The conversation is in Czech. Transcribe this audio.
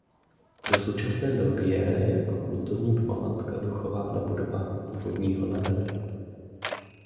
Do současné doby je jako kulturní památka dochována budova původního nádraží.